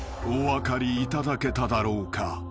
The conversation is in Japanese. ［お分かりいただけただろうか？